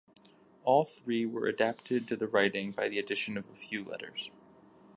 All three were adapted to the writing by the addition of a few letters.